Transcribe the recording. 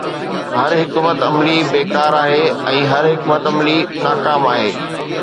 هر حڪمت عملي بيڪار آهي ۽ هر حڪمت عملي ناڪام آهي.